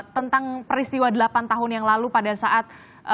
tentang peristiwa delapan tahun yang lalu pada saat